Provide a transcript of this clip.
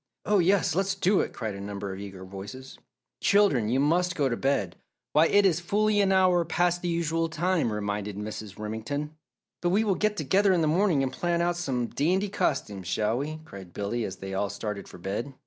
"Oh, yes! Let's do it!" cried a number of eager voices. "Children, you must go to bed! Why, it is fully an hour past the usual time," reminded Mrs. Remington. "But we will get together in the morning and plan out some dandy costumes, shall we?" cried Billy, as they all started for bed.